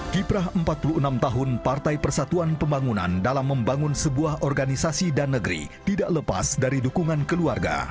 kiprah empat puluh enam tahun partai persatuan pembangunan dalam membangun sebuah organisasi dan negeri tidak lepas dari dukungan keluarga